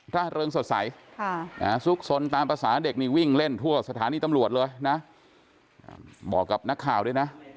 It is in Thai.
ร่าเริงสดใสซุกสนตามภาษาเด็กนี่วิ่งเล่นทั่วสถานีตำรวจเลยนะบอกกับนักข่าวด้วยนะ